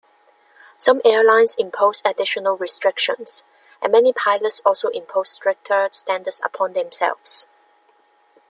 Some airlines impose additional restrictions, and many pilots also impose stricter standards upon themselves.